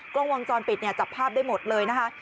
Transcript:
กล้องวงจรปิดเนี่ยจับภาพได้หมดเลยนะคะ